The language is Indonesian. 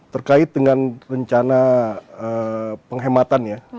terkait dengan rencana penghematannya